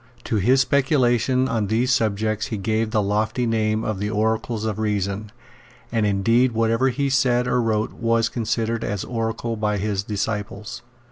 To his speculations on these subjects he gave the lofty name of the Oracles of Reason; and indeed whatever he said or wrote was considered as oracular by his disciples.